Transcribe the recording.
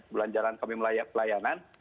bulan jalan kami melayak pelayanan